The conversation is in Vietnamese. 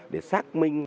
để xác minh